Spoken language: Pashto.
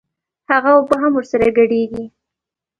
هغه اوبه هم ورسره ګډېږي.